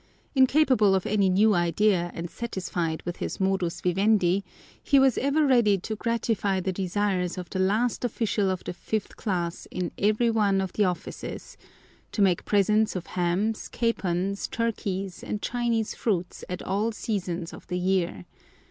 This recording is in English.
Incapable of any new idea and satisfied with his modus vivendi, he was ever ready to gratify the desires of the last official of the fifth class in every one of the offices, to make presents of hams, capons, turkeys, and Chinese fruits at all seasons of the year.